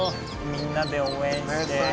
みんなで応援して。